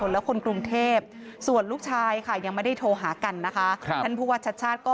นะครับแต่อย่าไปยึดติดกันมากนะครับ